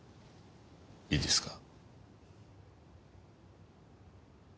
いいですか？